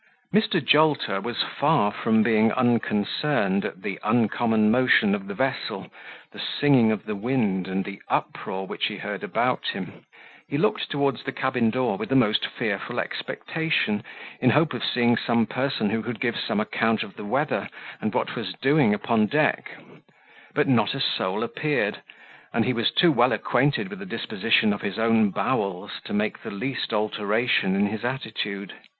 Mr. Jolter was far from being unconcerned at the uncommon motion of the vessel, the singing of the wind, and the uproar which he heard about him: he looked towards the cabin door with the most fearful expectation, in hope of seeing some person who could give some account of the weather, and what was doing upon deck; but not a soul appeared, and he was too well acquainted with the disposition of his own bowels to make the least alteration in his attitude.